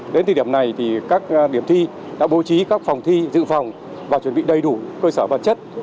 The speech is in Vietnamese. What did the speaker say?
đến thời điểm này thì các điểm thi đã bố trí các phòng thi dự phòng và chuẩn bị đầy đủ cơ sở vật chất